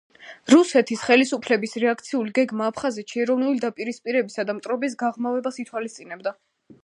რუსეთის ხელისუფლების რეაქციული გეგმა აფხაზეთში ეროვნული დაპირისპირებისა და მტრობის გაღრმავებას ითვალისწინებდა.